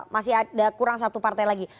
masih ada kurang satu partai lagi